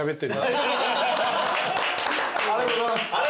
ありがとうございます。